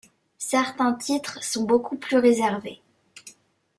Certains titres sont beaucoup plus réservés.